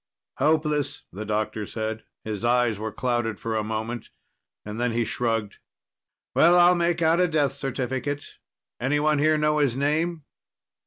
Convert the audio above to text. "Hopeless," the doctor said. His eyes were clouded for a moment, and then he shrugged. "Well, I'll make out a death certificate. Anyone here know his name?"